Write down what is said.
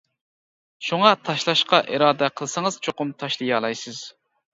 شۇڭا تاشلاشقا ئىرادە قىلسىڭىز چوقۇم تاشلىيالايسىز!